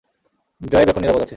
Drive এখন নিরাপদ আছে।